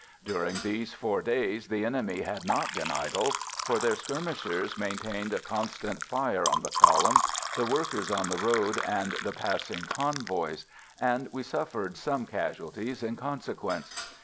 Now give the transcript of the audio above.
During these four days the enemy had not been idle, for their skirmishers maintained a constant fire on the column, the workers on the road and the passing convoys, and we suffered some casualties in consequence.